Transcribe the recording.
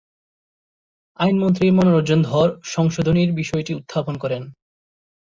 আইনমন্ত্রী মনোরঞ্জন ধর সংশোধনীর বিষয়টি উত্থাপন করেন।